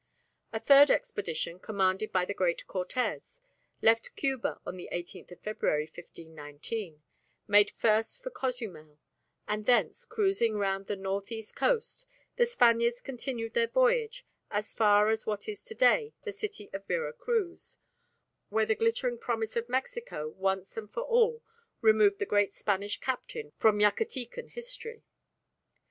A third expedition, commanded by the great Cortes, left Cuba on the 18th February, 1519, made first for Cozumel; and thence, cruising round the north east coast, the Spaniards continued their voyage as far as what is to day the city of Vera Cruz, where the glittering promise of Mexico once and for all removed the great Spanish captain from Yucatecan history.